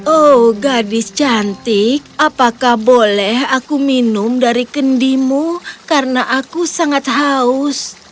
oh gadis cantik apakah boleh aku minum dari kendimu karena aku sangat haus